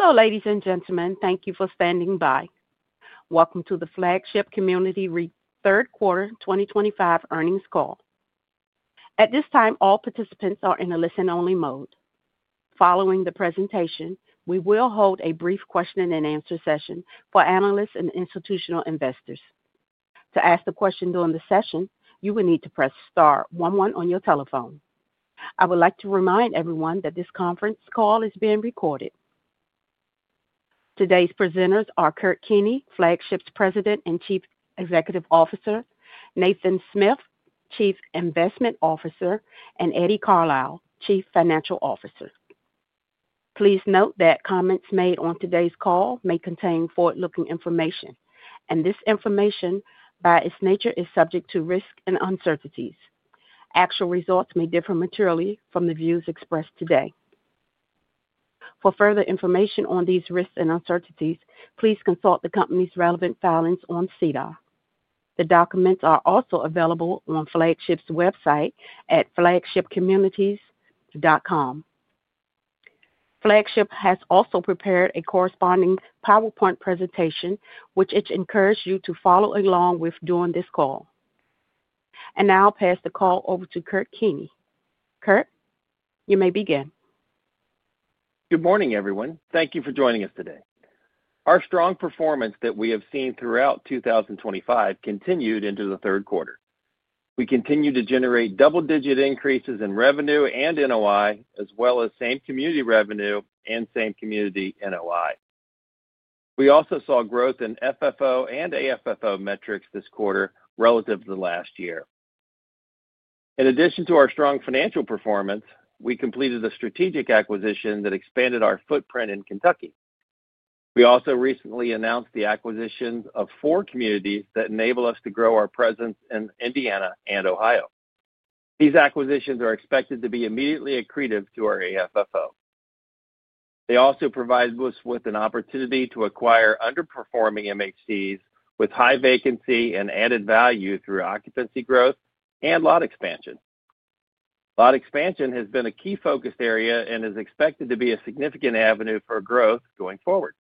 Hello, ladies and gentlemen. Thank you for standing by. Welcome to the Flagship Communities REIT third quarter 2025 earnings call. At this time, all participants are in a listen-only mode. Following the presentation, we will hold a brief question-and-answer session for analysts and institutional investors. To ask a question during the session, you will need to press star one one on your telephone. I would like to remind everyone that this conference call is being recorded. Today's presenters are Kurt Keeney, Flagship's President and Chief Executive Officer; Nathan Smith, Chief Investment Officer; and Eddie Carlisle, Chief Financial Officer. Please note that comments made on today's call may contain forward-looking information, and this information, by its nature, is subject to risks and uncertainties. Actual results may differ materially from the views expressed today. For further information on these risks and uncertainties, please consult the company's relevant filings on SEDAR. The documents are also available on Flagship's website at flagshipcommunities.com. Flagship has also prepared a corresponding PowerPoint presentation, which it encourages you to follow along with during this call. I'll pass the call over to Kurt Keeney. Kurt, you may begin. Good morning, everyone. Thank you for joining us today. Our strong performance that we have seen throughout 2025 continued into the third quarter. We continued to generate double-digit increases in revenue and NOI, as well as same-community revenue and same-community NOI. We also saw growth in FFO and AFFO metrics this quarter relative to last year. In addition to our strong financial performance, we completed a strategic acquisition that expanded our footprint in Kentucky. We also recently announced the acquisition of four communities that enable us to grow our presence in Indiana and Ohio. These acquisitions are expected to be immediately accretive to our AFFO. They also provide us with an opportunity to acquire underperforming MHCs with high vacancy and added value through occupancy growth and lot expansion. Lot expansion has been a key focus area and is expected to be a significant avenue for growth going forward.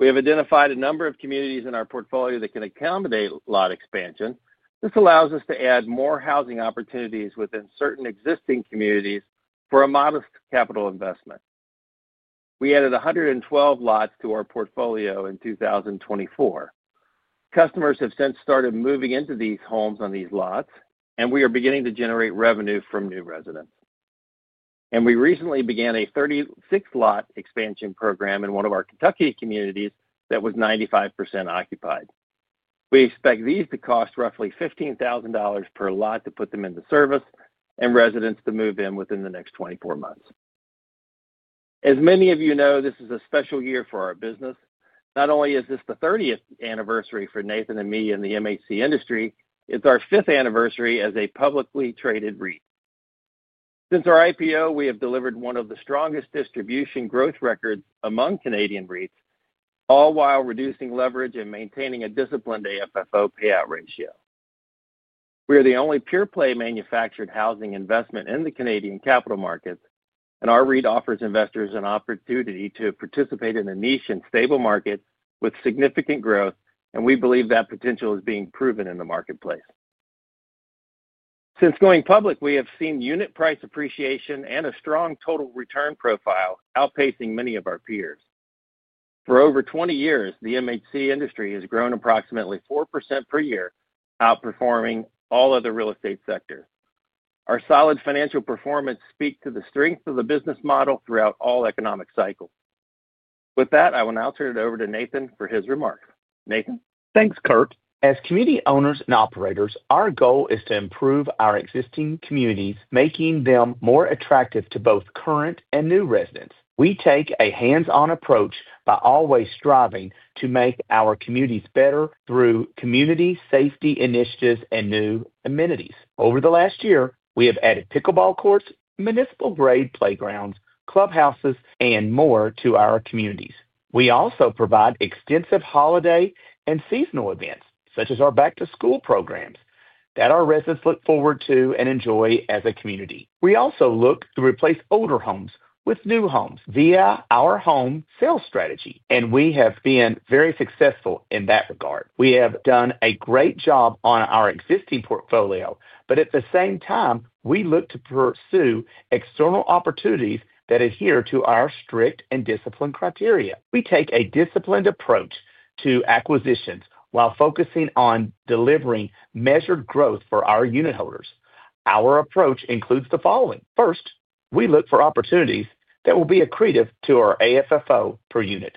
We have identified a number of communities in our portfolio that can accommodate lot expansion. This allows us to add more housing opportunities within certain existing communities for a modest capital investment. We added 112 lots to our portfolio in 2024. Customers have since started moving into these homes on these lots, and we are beginning to generate revenue from new residents. We recently began a 36-lot expansion program in one of our Kentucky communities that was 95% occupied. We expect these to cost roughly $15,000 per lot to put them into service and residents to move in within the next 24 months. As many of you know, this is a special year for our business. Not only is this the 30th anniversary for Nathan and me in the MHC industry, it is our fifth anniversary as a publicly traded REIT. Since our IPO, we have delivered one of the strongest distribution growth records among Canadian REITs, all while reducing leverage and maintaining a disciplined AFFO payout ratio. We are the only pure-play manufactured housing investment in the Canadian capital markets, and our REIT offers investors an opportunity to participate in a niche and stable market with significant growth, and we believe that potential is being proven in the marketplace. Since going public, we have seen unit price appreciation and a strong total return profile outpacing many of our peers. For over 20 years, the MHC industry has grown approximately 4% per year, outperforming all other real estate sectors. Our solid financial performance speaks to the strength of the business model throughout all economic cycles. With that, I will now turn it over to Nathan for his remarks. Nathan? Thanks, Kurt. As community owners and operators, our goal is to improve our existing communities, making them more attractive to both current and new residents. We take a hands-on approach by always striving to make our communities better through community safety initiatives and new amenities. Over the last year, we have added pickleball courts, municipal-grade playgrounds, clubhouses, and more to our communities. We also provide extensive holiday and seasonal events, such as our back-to-school programs, that our residents look forward to and enjoy as a community. We also look to replace older homes with new homes via our home sales strategy, and we have been very successful in that regard. We have done a great job on our existing portfolio, but at the same time, we look to pursue external opportunities that adhere to our strict and disciplined criteria. We take a disciplined approach to acquisitions while focusing on delivering measured growth for our unit holders. Our approach includes the following. First, we look for opportunities that will be accretive to our AFFO per unit.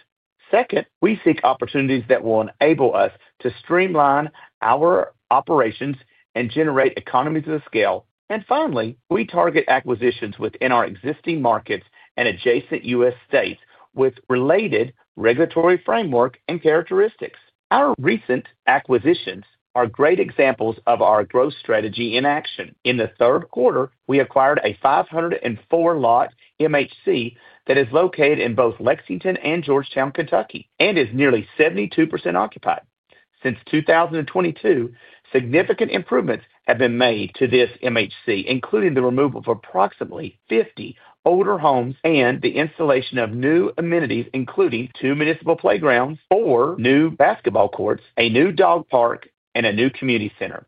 Second, we seek opportunities that will enable us to streamline our operations and generate economies of scale. Finally, we target acquisitions within our existing markets and adjacent U.S. states with related regulatory framework and characteristics. Our recent acquisitions are great examples of our growth strategy in action. In the third quarter, we acquired a 504-lot MHC that is located in both Lexington and Georgetown, Kentucky, and is nearly 72% occupied. Since 2022, significant improvements have been made to this MHC, including the removal of approximately 50 older homes and the installation of new amenities, including two municipal playgrounds, four new basketball courts, a new dog park, and a new community center.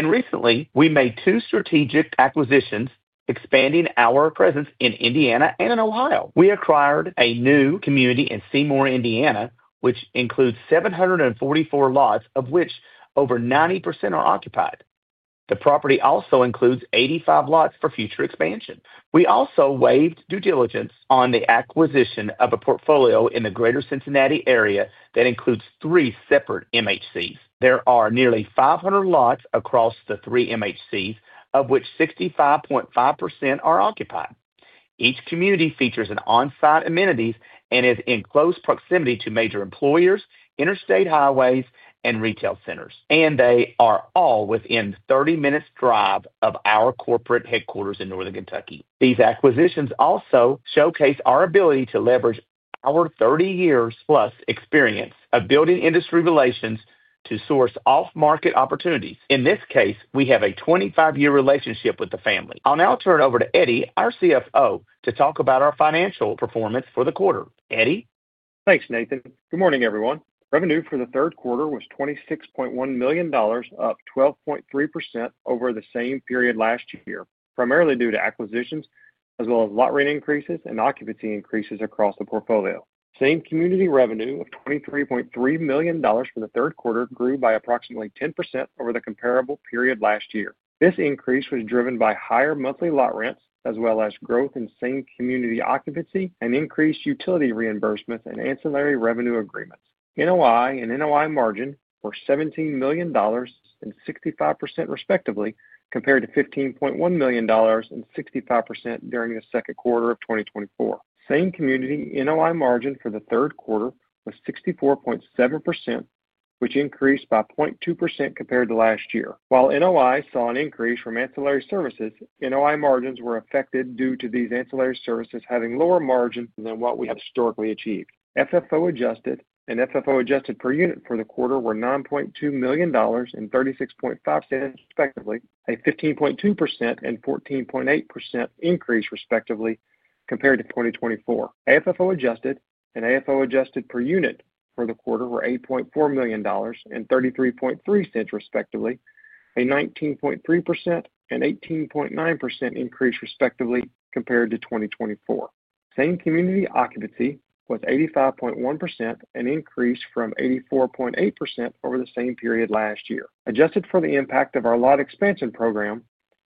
Recently, we made two strategic acquisitions, expanding our presence in Indiana and in Ohio. We acquired a new community in Seymour, Indiana, which includes 744 lots, of which over 90% are occupied. The property also includes 85 lots for future expansion. We also waived due diligence on the acquisition of a portfolio in the greater Cincinnati area that includes three separate MHCs. There are nearly 500 lots across the three MHCs, of which 65.5% are occupied. Each community features on-site amenities and is in close proximity to major employers, interstate highways, and retail centers, and they are all within 30 minutes' drive of our corporate headquarters in Northern Kentucky. These acquisitions also showcase our ability to leverage our 30-year-plus experience of building industry relations to source off-market opportunities. In this case, we have a 25-year relationship with the family. I'll now turn it over to Eddie, our CFO, to talk about our financial performance for the quarter. Eddie? Thanks, Nathan. Good morning, everyone. Revenue for the third quarter was $26.1 million, up 12.3% over the same period last year, primarily due to acquisitions, as well as lot rate increases and occupancy increases across the portfolio. Same-community revenue of $23.3 million for the third quarter grew by approximately 10% over the comparable period last year. This increase was driven by higher monthly lot rents, as well as growth in same-community occupancy and increased utility reimbursements and ancillary revenue agreements. NOI and NOI margin were $17 million and 65%, respectively, compared to $15.1 million and 65% during the second quarter of 2024. Same-community NOI margin for the third quarter was 64.7%, which increased by 0.2% compared to last year. While NOI saw an increase from ancillary services, NOI margins were affected due to these ancillary services having lower margins than what we have historically achieved. FFO adjusted and FFO adjusted per unit for the quarter were $9.2 million and $0.365, respectively, a 15.2% and 14.8% increase, respectively, compared to 2024. AFFO adjusted and AFFO adjusted per unit for the quarter were $8.4 million and $0.333, respectively, a 19.3% and 18.9% increase, respectively, compared to 2024. Same-community occupancy was 85.1%, an increase from 84.8% over the same period last year. Adjusted for the impact of our lot expansion program,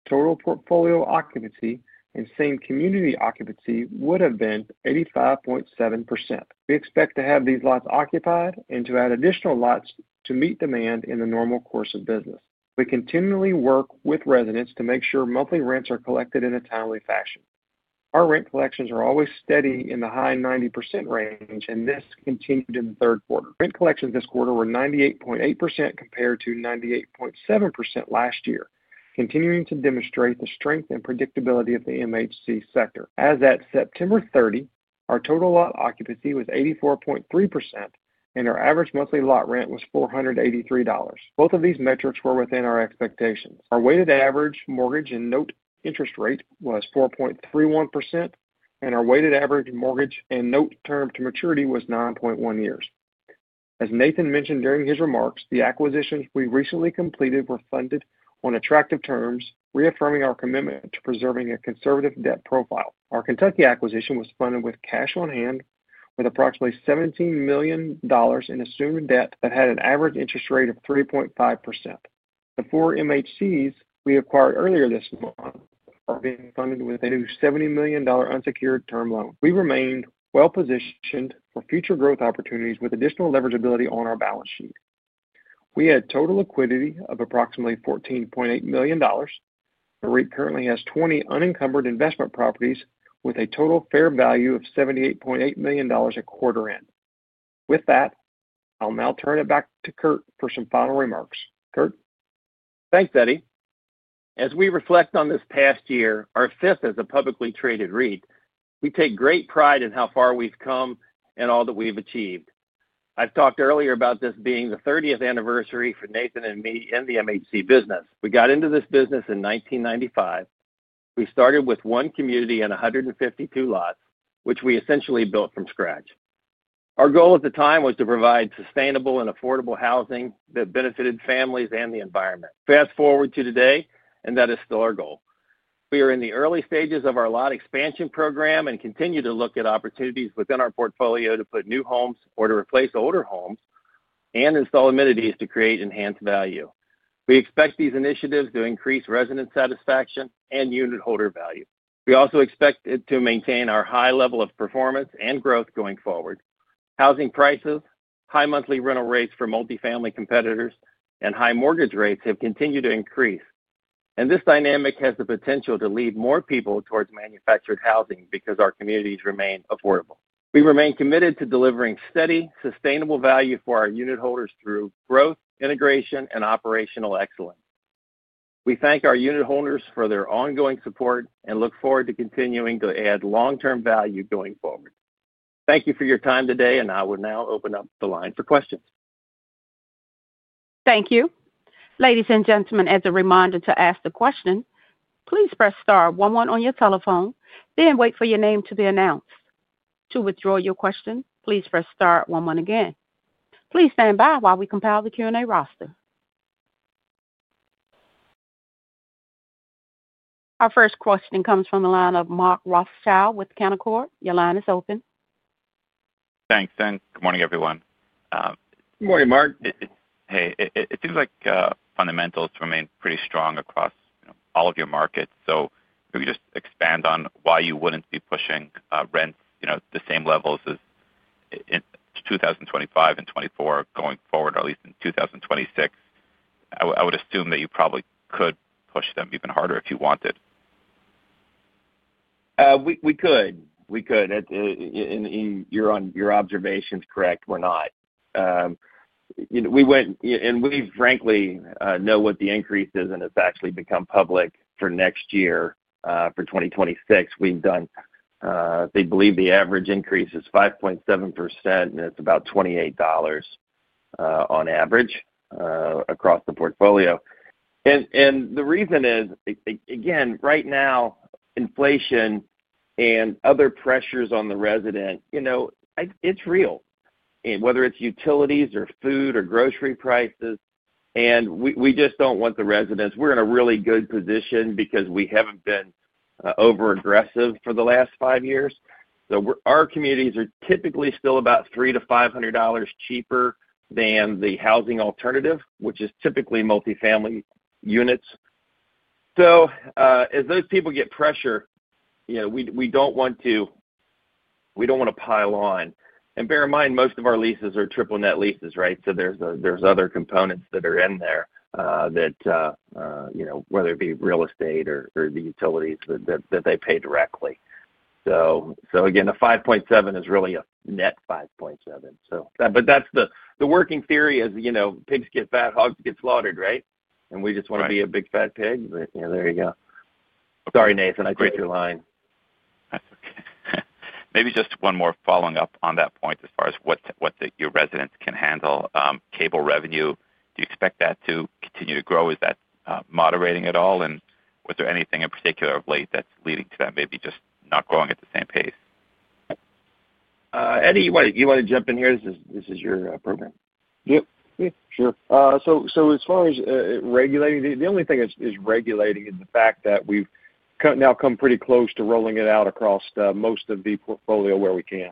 total portfolio occupancy and same-community occupancy would have been 85.7%. We expect to have these lots occupied and to add additional lots to meet demand in the normal course of business. We continually work with residents to make sure monthly rents are collected in a timely fashion. Our rent collections are always steady in the high 90% range, and this continued in the third quarter. Rent collections this quarter were 98.8% compared to 98.7% last year, continuing to demonstrate the strength and predictability of the MHC sector. As at September 30, our total lot occupancy was 84.3%, and our average monthly lot rent was $483. Both of these metrics were within our expectations. Our weighted average mortgage and note interest rate was 4.31%, and our weighted average mortgage and note term to maturity was 9.1 years. As Nathan mentioned during his remarks, the acquisitions we recently completed were funded on attractive terms, reaffirming our commitment to preserving a conservative debt profile. Our Kentucky acquisition was funded with cash on hand, with approximately $17 million in assumed debt that had an average interest rate of 3.5%. The four MHCs we acquired earlier this month are being funded with a new $70 million unsecured term loan. We remained well-positioned for future growth opportunities with additional leverageability on our balance sheet. We had total liquidity of approximately $14.8 million. The REIT currently has 20 unencumbered investment properties with a total fair value of $78.8 million at quarter end. With that, I'll now turn it back to Kurt for some final remarks. Kurt? Thanks, Eddie. As we reflect on this past year, our fifth as a publicly traded REIT, we take great pride in how far we've come and all that we've achieved. I've talked earlier about this being the 30th anniversary for Nathan and me in the MHC business. We got into this business in 1995. We started with one community and 152 lots, which we essentially built from scratch. Our goal at the time was to provide sustainable and affordable housing that benefited families and the environment. Fast forward to today, and that is still our goal. We are in the early stages of our lot expansion program and continue to look at opportunities within our portfolio to put new homes or to replace older homes and install amenities to create enhanced value. We expect these initiatives to increase resident satisfaction and unit holder value. We also expect it to maintain our high level of performance and growth going forward. Housing prices, high monthly rental rates for multifamily competitors, and high mortgage rates have continued to increase, and this dynamic has the potential to lead more people towards manufactured housing because our communities remain affordable. We remain committed to delivering steady, sustainable value for our unit holders through growth, integration, and operational excellence. We thank our unit holders for their ongoing support and look forward to continuing to add long-term value going forward. Thank you for your time today, and I will now open up the line for questions. Thank you. Ladies and gentlemen, as a reminder to ask the question, please press star one one on your telephone, then wait for your name to be announced. To withdraw your question, please press star one one again. Please stand by while we compile the Q&A roster. Our first question comes from the line of Mark Rothschild with Canaccord. Your line is open. Thanks, and good morning, everyone. Good morning, Mark. Hey, it seems like fundamentals remain pretty strong across all of your markets. If you could just expand on why you would not be pushing rents to the same levels as 2025 and 2024 going forward, or at least in 2026, I would assume that you probably could push them even harder if you wanted. We could. We could. Your observation's correct. We're not. And we frankly know what the increase is, and it's actually become public for next year, for 2026. We've done, they believe the average increase is 5.7%, and it's about $28 on average across the portfolio. The reason is, again, right now, inflation and other pressures on the resident, it's real, whether it's utilities or food or grocery prices. We just don't want the residents—we're in a really good position because we haven't been over-aggressive for the last five years. Our communities are typically still about $300-$500 cheaper than the housing alternative, which is typically multifamily units. As those people get pressure, we don't want to—we don't want to pile on. Bear in mind, most of our leases are triple-net leases, right? There are other components that are in there that, whether it be real estate or the utilities that they pay directly. Again, a 5.7 is really a net 5.7. That is the working theory: pigs get fat, hogs get slaughtered, right? We just want to be a big fat pig. There you go. Sorry, Nathan. I cut your line. Maybe just one more following up on that point as far as what your residents can handle. Cable revenue, do you expect that to continue to grow? Is that moderating at all? Was there anything in particular of late that is leading to that maybe just not growing at the same pace? Eddie, you want to jump in here? This is your program. Yep. Sure. As far as regulating, the only thing that is regulating is the fact that we've now come pretty close to rolling it out across most of the portfolio where we can.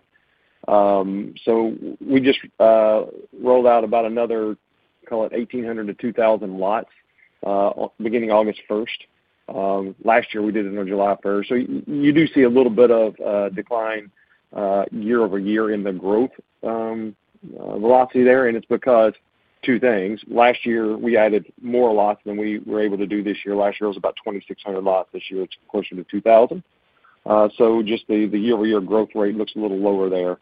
We just rolled out about another, call it 1,800-2,000 lots beginning August 1st. Last year, we did it on July 1st. You do see a little bit of decline year over year in the growth velocity there, and it's because of two things. Last year, we added more lots than we were able to do this year. Last year was about 2,600 lots. This year, it's closer to 2,000. The year-over-year growth rate just looks a little lower there.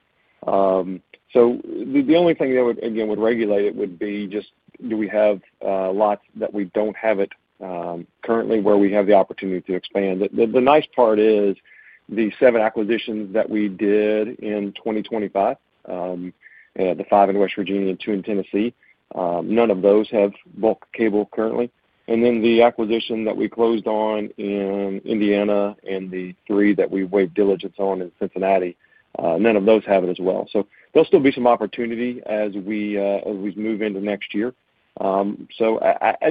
The only thing that would, again, regulate it would be just do we have lots that we don't have it currently where we have the opportunity to expand. The nice part is the seven acquisitions that we did in 2025, the five in West Virginia and two in Tennessee, none of those have bulk cable currently. The acquisition that we closed on in Indiana and the three that we waived diligence on in Cincinnati, none of those have it as well. There will still be some opportunity as we move into next year. I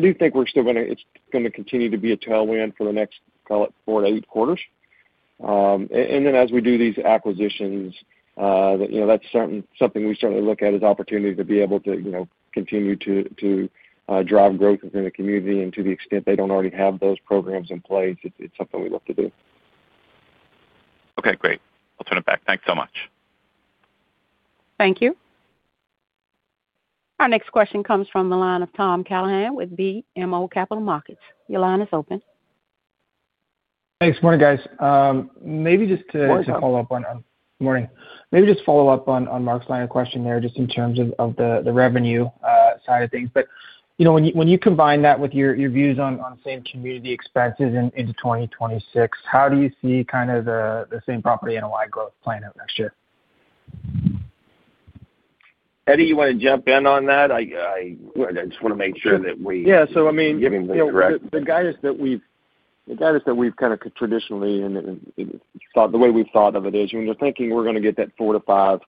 do think we are still going to—it is going to continue to be a tailwind for the next, call it, four to eight quarters. As we do these acquisitions, that is something we certainly look at as opportunity to be able to continue to drive growth within the community. To the extent they do not already have those programs in place, it is something we look to do. Okay. Great. I'll turn it back. Thanks so much. Thank you. Our next question comes from the line of Tom Callaghan with BMO Capital Markets. Your line is open. Hey. Good morning, guys. Maybe just to follow up on—good morning. Maybe just follow up on Mark's line of question there just in terms of the revenue side of things. When you combine that with your views on same-community expenses into 2026, how do you see kind of the same property NOI growth playing out next year? Eddie, you want to jump in on that? I just want to make sure that we— Yeah. So I mean, the guidance that we've kind of traditionally thought, the way we've thought of it is, when you're thinking we're going to get that 4-5%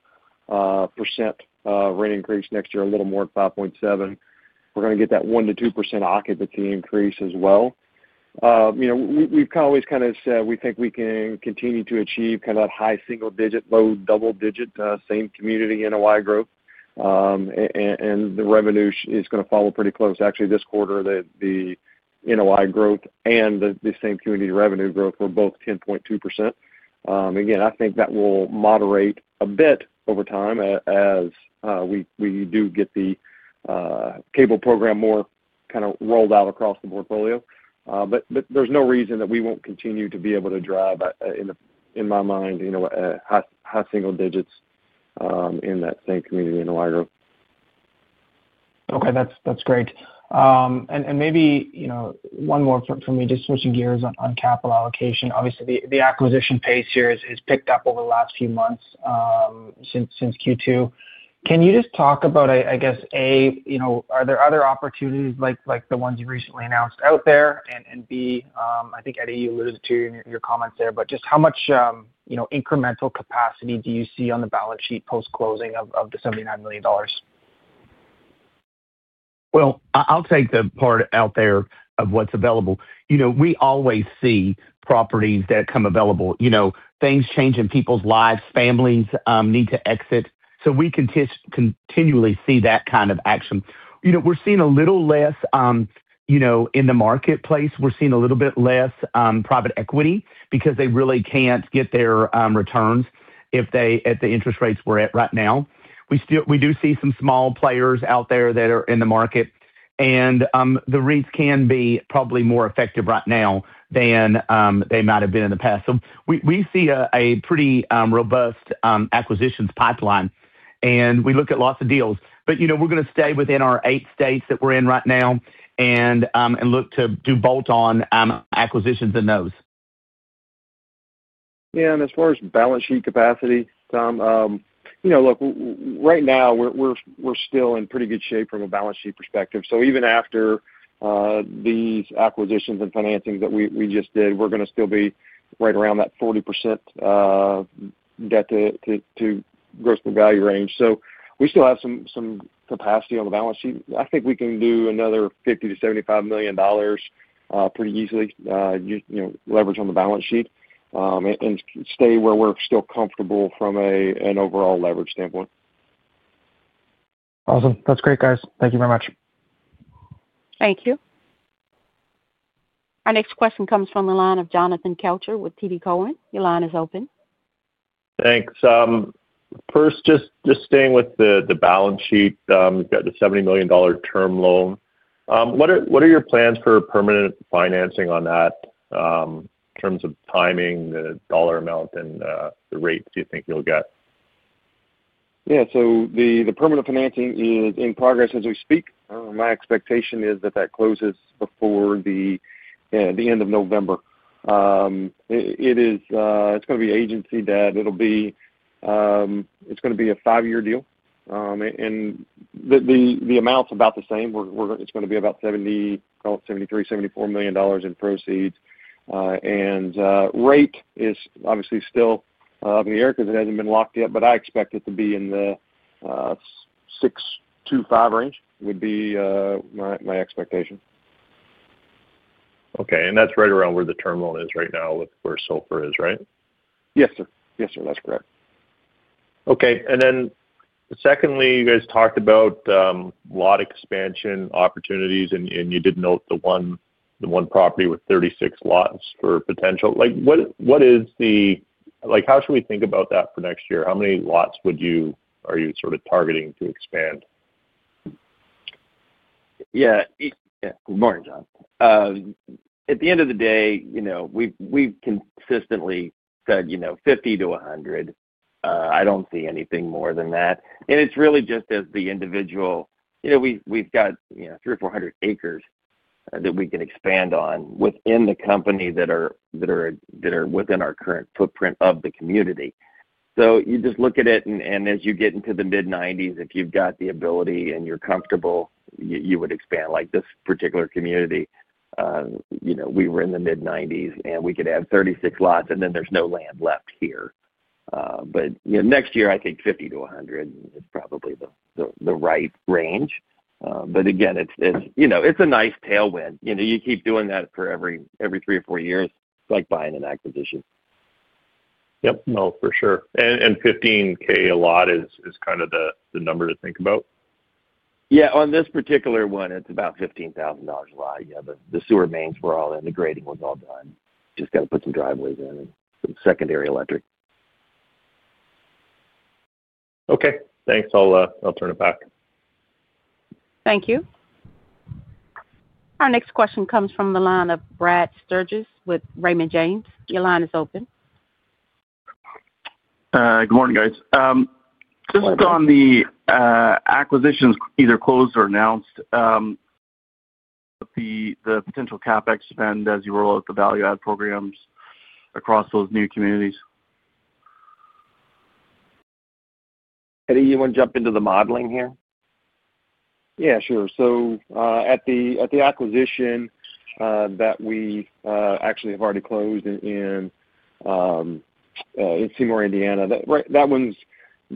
rent increase next year, a little more than 5.7%, we're going to get that 1-2% occupancy increase as well. We've always kind of said we think we can continue to achieve kind of that high single-digit, low double-digit, same-community NOI growth. And the revenue is going to follow pretty close. Actually, this quarter, the NOI growth and the same-community revenue growth were both 10.2%. Again, I think that will moderate a bit over time as we do get the cable program more kind of rolled out across the portfolio. But there's no reason that we won't continue to be able to drive, in my mind, high single digits in that same-community NOI growth. Okay. That's great. Maybe one more from me, just switching gears on capital allocation. Obviously, the acquisition pace here has picked up over the last few months since Q2. Can you just talk about, I guess, A, are there other opportunities like the ones you recently announced out there? B, I think Eddie, you alluded to your comments there, but just how much incremental capacity do you see on the balance sheet post-closing of the $79 million? I'll take the part out there of what's available. We always see properties that come available. Things change in people's lives. Families need to exit. We can continually see that kind of action. We're seeing a little less in the marketplace. We're seeing a little bit less private equity because they really can't get their returns at the interest rates we're at right now. We do see some small players out there that are in the market. The REITs can be probably more effective right now than they might have been in the past. We see a pretty robust acquisitions pipeline. We look at lots of deals. We're going to stay within our eight states that we're in right now and look to do bolt-on acquisitions in those. Yeah. As far as balance sheet capacity, Tom, look, right now, we're still in pretty good shape from a balance sheet perspective. Even after these acquisitions and financings that we just did, we're going to still be right around that 40% debt to gross-to-value range. We still have some capacity on the balance sheet. I think we can do another $50 million-$75 million pretty easily leveraged on the balance sheet and stay where we're still comfortable from an overall leverage standpoint. Awesome. That's great, guys. Thank you very much. Thank you. Our next question comes from the line of Jonathan Kelcher with TD Cowen. Your line is open. Thanks. First, just staying with the balance sheet, you've got the $70 million term loan. What are your plans for permanent financing on that in terms of timing, the dollar amount, and the rate you think you'll get? Yeah. The permanent financing is in progress as we speak. My expectation is that that closes before the end of November. It's going to be agency debt. It'll be a five-year deal. The amount's about the same. It's going to be about $73 million-$74 million in proceeds. Rate is obviously still up in the air because it hasn't been locked yet, but I expect it to be in the 6.25% range would be my expectation. Okay. That's right around where the terminal is right now where Sulfur is, right? Yes, sir. Yes, sir. That's correct. Okay. And then secondly, you guys talked about lot expansion opportunities, and you did note the one property with 36 lots for potential. What is the—how should we think about that for next year? How many lots are you sort of targeting to expand? Yeah. Good morning, John. At the end of the day, we've consistently said 50-100. I don't see anything more than that. And it's really just as the individual—we've got 300-400 acres that we can expand on within the company that are within our current footprint of the community. So you just look at it, and as you get into the mid-90s, if you've got the ability and you're comfortable, you would expand. Like this particular community, we were in the mid-90s, and we could add 36 lots, and then there's no land left here. But next year, I think 50-100 is probably the right range. But again, it's a nice tailwind. You keep doing that for every three or four years. It's like buying an acquisition. Yep. No, for sure. And $15,000 a lot is kind of the number to think about? Yeah. On this particular one, it's about $15,000 a lot. Yeah. The sewer mains were all in. The grading was all done. Just got to put some driveways in and some secondary electric. Okay. Thanks. I'll turn it back. Thank you. Our next question comes from the line of Brad Sturges with Raymond James. Your line is open. Good morning, guys. Just on the acquisitions either closed or announced, the potential CapEx spend as you roll out the value-add programs across those new communities? Eddie, you want to jump into the modeling here? Yeah, sure. At the acquisition that we actually have already closed in Seymour, Indiana, that one's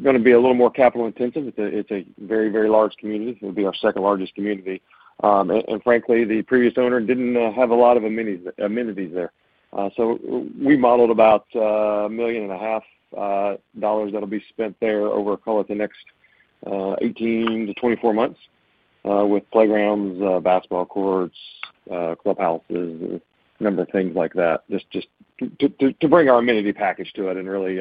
going to be a little more capital-intensive. It's a very, very large community. It'll be our second largest community. Frankly, the previous owner didn't have a lot of amenities there. We modeled about $1.5 million that'll be spent there over, call it, the next 18-24 months with playgrounds, basketball courts, clubhouses, a number of things like that, just to bring our amenity package to it and really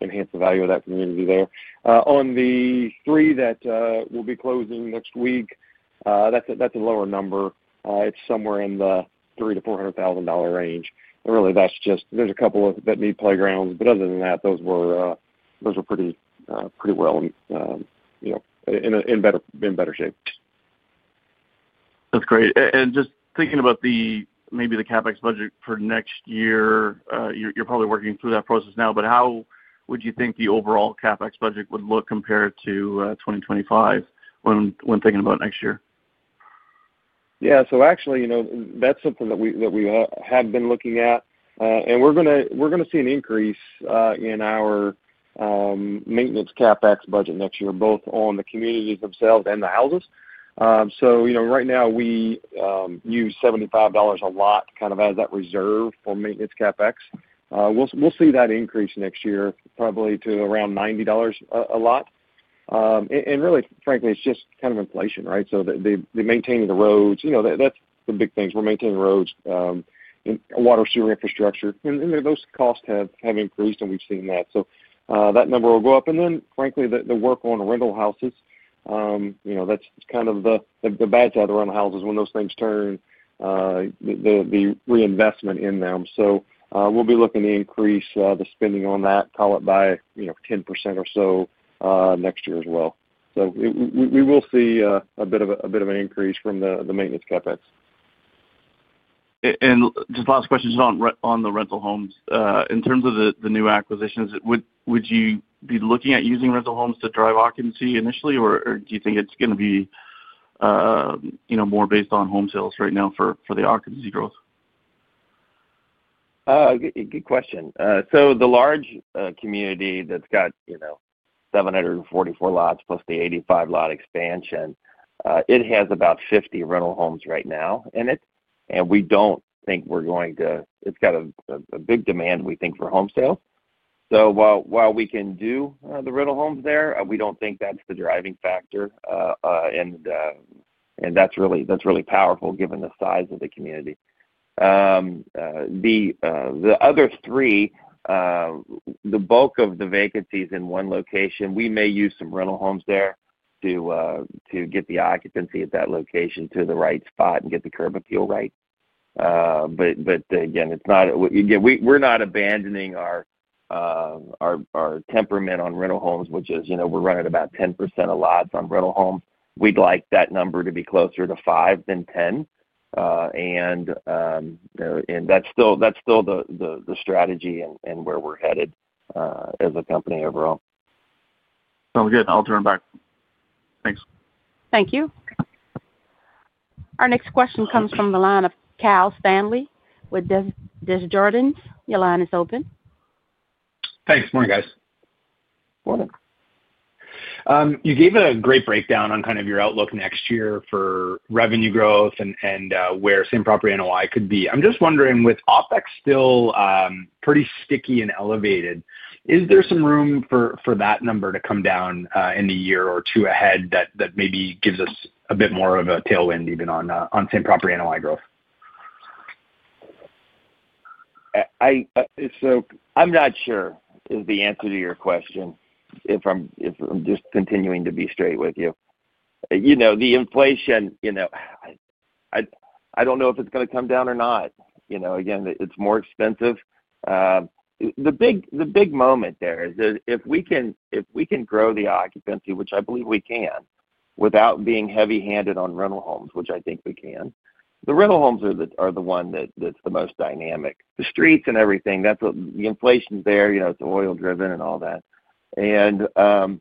enhance the value of that community there. On the three that will be closing next week, that's a lower number. It's somewhere in the $300,000-$400,000 range. Really, there's a couple that need playgrounds. Other than that, those were pretty well in better shape. That's great. Just thinking about maybe the CapEx budget for next year, you're probably working through that process now, but how would you think the overall CapEx budget would look compared to 2025 when thinking about next year? Yeah. So actually, that's something that we have been looking at. We're going to see an increase in our maintenance CapEx budget next year, both on the communities themselves and the houses. Right now, we use $75 a lot kind of as that reserve for maintenance CapEx. We'll see that increase next year probably to around $90 a lot. Really, frankly, it's just kind of inflation, right? The maintaining the roads, that's the big things. We're maintaining roads, water sewer infrastructure. Those costs have increased, and we've seen that. That number will go up. Then, frankly, the work on rental houses, that's kind of the bad side of rental houses when those things turn, the reinvestment in them. We'll be looking to increase the spending on that, call it, by 10% or so next year as well. We will see a bit of an increase from the maintenance CapEx. Just last question on the rental homes. In terms of the new acquisitions, would you be looking at using rental homes to drive occupancy initially, or do you think it's going to be more based on home sales right now for the occupancy growth? Good question. The large community that has 744 lots plus the 85-lot expansion has about 50 rental homes right now. We do not think we are going to—it has a big demand, we think, for home sales. While we can do the rental homes there, we do not think that is the driving factor. That is really powerful given the size of the community. The other three, the bulk of the vacancies in one location, we may use some rental homes there to get the occupancy at that location to the right spot and get the curb appeal right. We are not abandoning our temperament on rental homes, which is we are running about 10% of lots on rental homes. We would like that number to be closer to 5% than 10%. That is still the strategy and where we are headed as a company overall. Sounds good. I'll turn it back. Thanks. Thank you. Our next question comes from the line of Kyle Stanley with Desjardins. Your line is open. Thanks. Morning, guys. Morning. You gave a great breakdown on kind of your outlook next year for revenue growth and where same-property NOI could be. I'm just wondering, with OPEX still pretty sticky and elevated, is there some room for that number to come down in the year or two ahead that maybe gives us a bit more of a tailwind even on same-property NOI growth? I'm not sure is the answer to your question, if I'm just continuing to be straight with you. The inflation, I don't know if it's going to come down or not. Again, it's more expensive. The big moment there is if we can grow the occupancy, which I believe we can without being heavy-handed on rental homes, which I think we can, the rental homes are the one that's the most dynamic. The streets and everything, the inflation's there. It's oil-driven and all that. The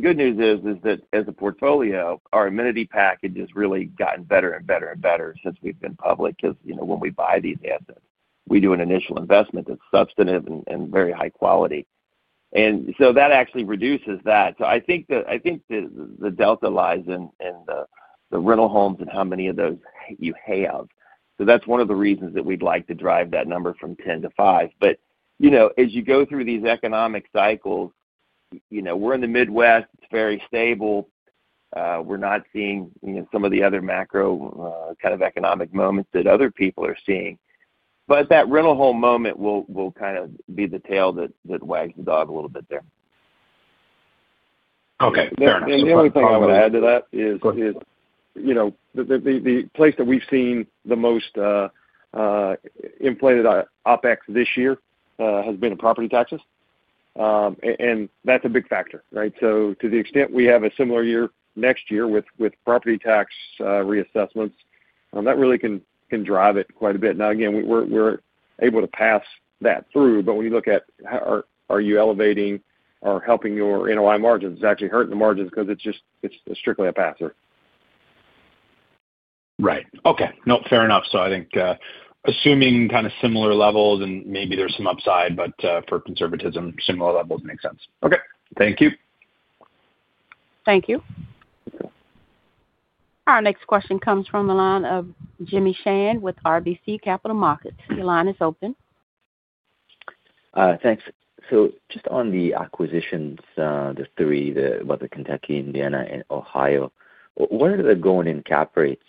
good news is that as a portfolio, our amenity package has really gotten better and better and better since we've been public because when we buy these assets, we do an initial investment that's substantive and very high quality. That actually reduces that. I think the delta lies in the rental homes and how many of those you have. That's one of the reasons that we'd like to drive that number from 10 to 5. As you go through these economic cycles, we're in the Midwest. It's very stable. We're not seeing some of the other macro kind of economic moments that other people are seeing. That rental home moment will kind of be the tail that wags the dog a little bit there. Okay. Fair enough. The only thing I would add to that is the place that we've seen the most inflated OPEX this year has been in property taxes. That's a big factor, right? To the extent we have a similar year next year with property tax reassessments, that really can drive it quite a bit. Now, again, we're able to pass that through. When you look at are you elevating or helping your NOI margins, it's actually hurting the margins because it's strictly a pass-through. Right. Okay. No, fair enough. So I think assuming kind of similar levels and maybe there's some upside, but for conservatism, similar levels make sense. Okay. Thank you. Thank you. Our next question comes from the line of Jimmy Shan with RBC Capital Markets. Your line is open. Thanks. Just on the acquisitions, the three, the Kentucky, Indiana, and Ohio, what are the going-in cap rates?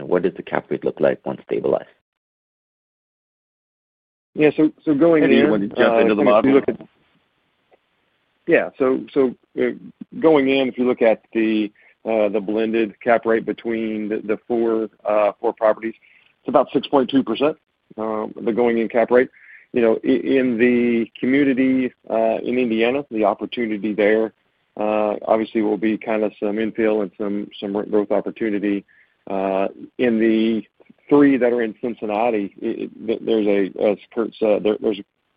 What does the cap rate look like once stabilized? Yeah. So going in. Eddie, you want to jump into the model? Yeah. So going in, if you look at the blended cap rate between the four properties, it's about 6.2%, the going-in cap rate. In the community in Indiana, the opportunity there obviously will be kind of some infill and some growth opportunity. In the three that are in Cincinnati, there's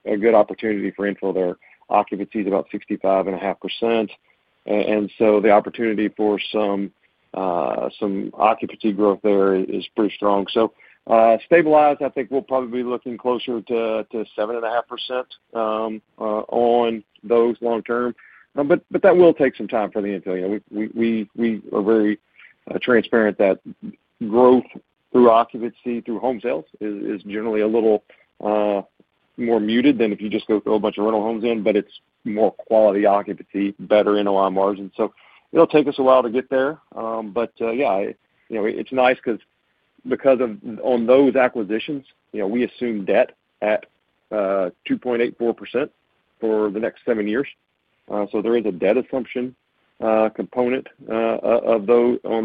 a good opportunity for infill there. Occupancy is about 65.5%. The opportunity for some occupancy growth there is pretty strong. Stabilized, I think we'll probably be looking closer to 7.5% on those long-term. That will take some time for the infill. We are very transparent that growth through occupancy through home sales is generally a little more muted than if you just go throw a bunch of rental homes in, but it's more quality occupancy, better NOI margins. It'll take us a while to get there. Yeah, it's nice because on those acquisitions, we assume debt at 2.84% for the next seven years. There is a debt assumption component on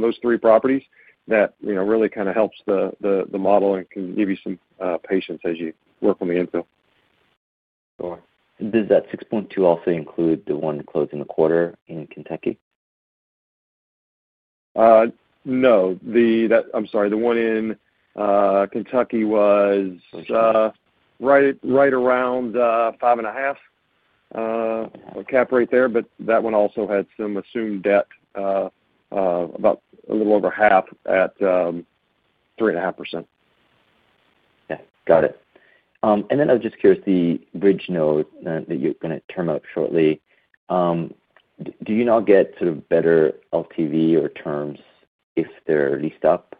those three properties that really kind of helps the model and can give you some patience as you work on the infill. Does that 6.2% also include the one closing the quarter in Kentucky? No. I'm sorry. The one in Kentucky was right around 5.5% cap rate there, but that one also had some assumed debt about a little over half at 3.5%. Yeah. Got it. I was just curious, the bridge note that you're going to term up shortly, do you not get sort of better LTV or terms if they're leased up?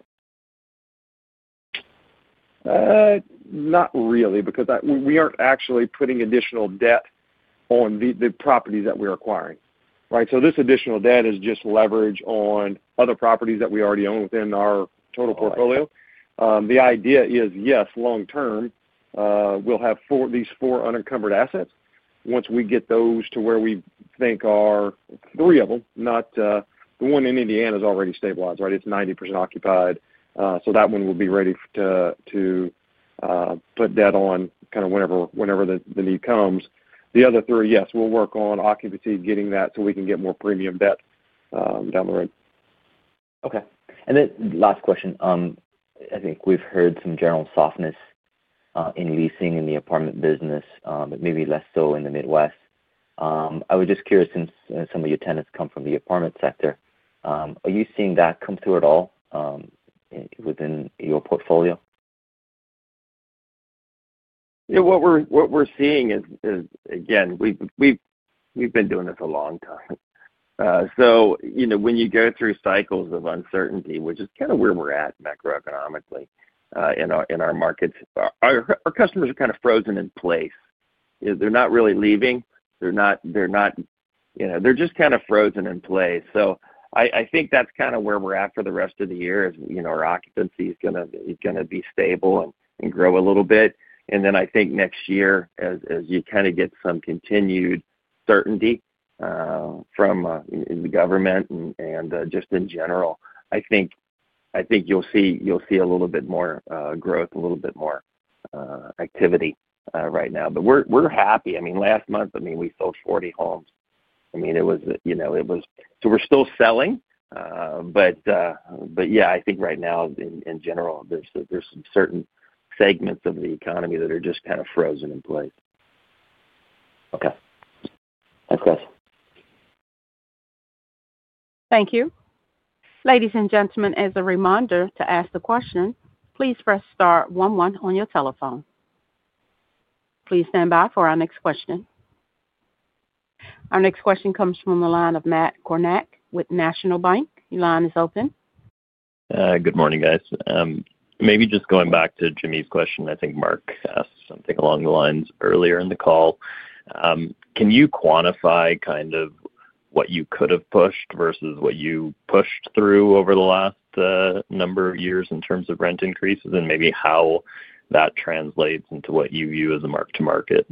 Not really because we aren't actually putting additional debt on the properties that we're acquiring, right? This additional debt is just leverage on other properties that we already own within our total portfolio. The idea is, yes, long-term, we'll have these four unencumbered assets. Once we get those to where we think are three of them, the one in Indiana is already stabilized, right? It's 90% occupied. That one will be ready to put debt on kind of whenever the need comes. The other three, yes, we'll work on occupancy getting that so we can get more premium debt down the road. Okay. Last question. I think we've heard some general softness in leasing in the apartment business, but maybe less so in the Midwest. I was just curious since some of your tenants come from the apartment sector, are you seeing that come through at all within your portfolio? Yeah. What we're seeing is, again, we've been doing this a long time. When you go through cycles of uncertainty, which is kind of where we're at macroeconomically in our markets, our customers are kind of frozen in place. They're not really leaving. They're not. They're just kind of frozen in place. I think that's kind of where we're at for the rest of the year is our occupancy is going to be stable and grow a little bit. I think next year, as you kind of get some continued certainty from the government and just in general, I think you'll see a little bit more growth, a little bit more activity right now. We're happy. I mean, last month, I mean, we sold 40 homes. I mean, it was, so we're still selling. Yeah, I think right now, in general, there's some certain segments of the economy that are just kind of frozen in place. Okay. That's good. Thank you. Ladies and gentlemen, as a reminder to ask the question, please press star one one on your telephone. Please stand by for our next question. Our next question comes from the line of Matt Kornack with National Bank. Your line is open. Good morning, guys. Maybe just going back to Jimmy's question, I think Mark asked something along the lines earlier in the call. Can you quantify kind of what you could have pushed versus what you pushed through over the last number of years in terms of rent increases and maybe how that translates into what you view as a mark-to-market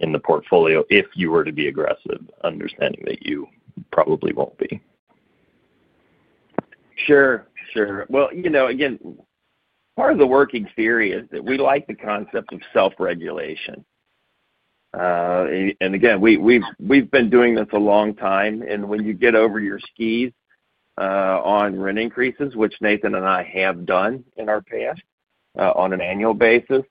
in the portfolio if you were to be aggressive, understanding that you probably won't be? Sure. Sure. Again, part of the working theory is that we like the concept of self-regulation. Again, we've been doing this a long time. When you get over your skis on rent increases, which Nathan and I have done in our past on an annual basis,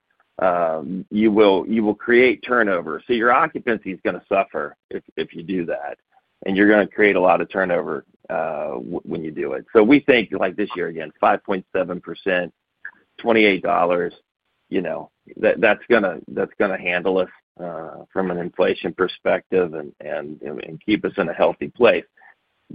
you will create turnover. Your occupancy is going to suffer if you do that. You're going to create a lot of turnover when you do it. We think like this year, again, 5.7%, $28, that's going to handle us from an inflation perspective and keep us in a healthy place.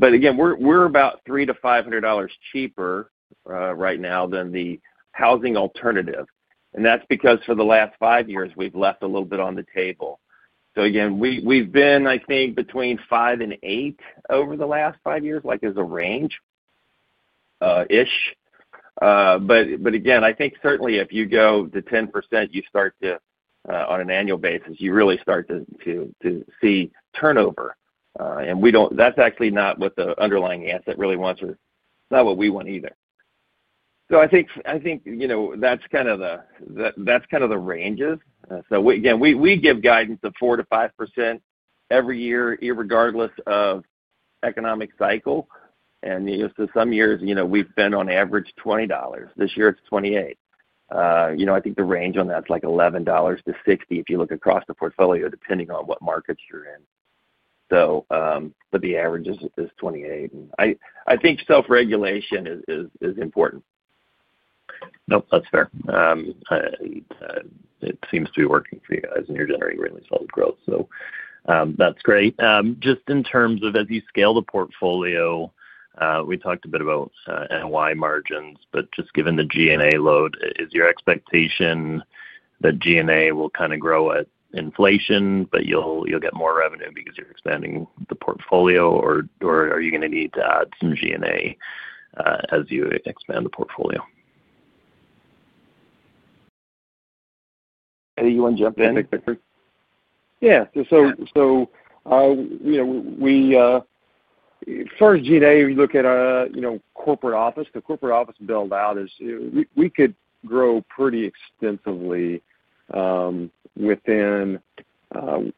Again, we're about $300-$500 cheaper right now than the housing alternative. That's because for the last five years, we've left a little bit on the table. Again, we've been, I think, between 5-8% over the last five years as a range-ish. Again, I think certainly if you go to 10%, you start to, on an annual basis, you really start to see turnover. That's actually not what the underlying asset really wants or it's not what we want either. I think that's kind of the ranges. Again, we give guidance of 4-5% every year, irregardless of economic cycle. Some years, we've been on average $20. This year, it's $28. I think the range on that's like $11-$60 if you look across the portfolio depending on what markets you're in. The average is $28. I think self-regulation is important. Nope. That's fair. It seems to be working for you guys and you're generating really solid growth. That's great. Just in terms of as you scale the portfolio, we talked a bit about NOI margins, but just given the G&A load, is your expectation that G&A will kind of grow at inflation, but you'll get more revenue because you're expanding the portfolio, or are you going to need to add some G&A as you expand the portfolio? Eddie, you want to jump in? Yeah. As far as G&A, we look at corporate office. The corporate office build-out is we could grow pretty extensively within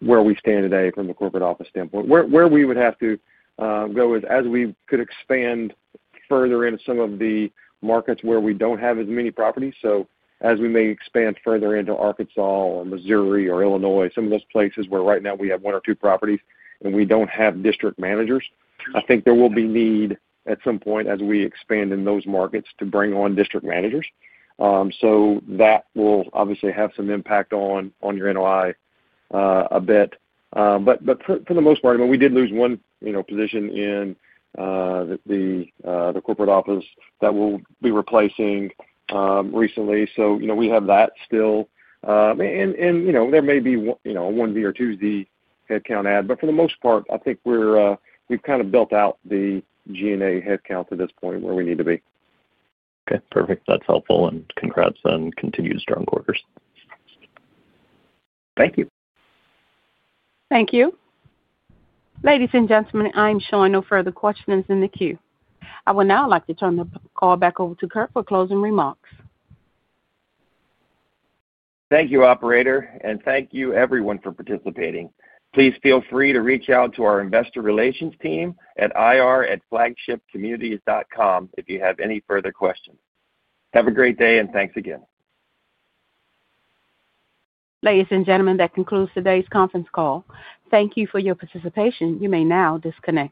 where we stand today from a corporate office standpoint. Where we would have to go is as we could expand further into some of the markets where we do not have as many properties. As we may expand further into Arkansas or Missouri or Illinois, some of those places where right now we have one or two properties and we do not have district managers, I think there will be need at some point as we expand in those markets to bring on district managers. That will obviously have some impact on your NOI a bit. For the most part, I mean, we did lose one position in the corporate office that we will be replacing recently. We have that still. There may be a one V or two Z headcount add. For the most part, I think we've kind of built out the G&A headcount to this point where we need to be. Okay. Perfect. That's helpful. And congrats on continued strong quarters. Thank you. Thank you. Ladies and gentlemen, I am showing no further questions in the queue. I would now like to turn the call back over to Kurt for closing remarks. Thank you, operator. Thank you, everyone, for participating. Please feel free to reach out to our investor relations team at ir@flagshipcommunities.com if you have any further questions. Have a great day and thanks again. Ladies and gentlemen, that concludes today's conference call. Thank you for your participation. You may now disconnect.